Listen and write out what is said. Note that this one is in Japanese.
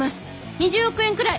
２０億円くらい！